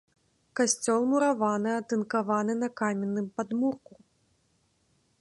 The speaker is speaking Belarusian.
Касцёл мураваны, атынкаваны, на каменным падмурку.